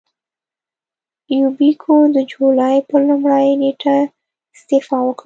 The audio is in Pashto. یوبیکو د جولای پر لومړۍ نېټه استعفا وکړه.